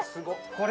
これ。